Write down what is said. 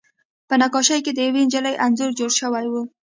په نقاشۍ کې د یوې نجلۍ انځور جوړ شوی و